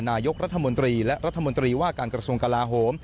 นายกรัฐมนตรีและรัฐมนตรีว่าการกระทรวงกลาโหม